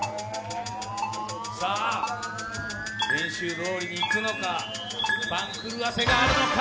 練習どおりにいくのか、番狂わせがあるのか。